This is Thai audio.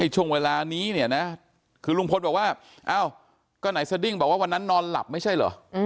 ช่วงเวลานี้เนี่ยนะคือลุงพลบอกว่าอ้าวก็ไหนสดิ้งบอกว่าวันนั้นนอนหลับไม่ใช่เหรอ